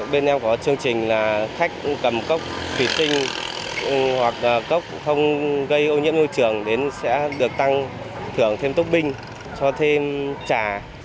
bên em có chương trình là khách cầm cốc thủy tinh hoặc cốc không gây ô nhiễm môi trường đến sẽ được tăng thưởng thêm tốc binh cho thêm trà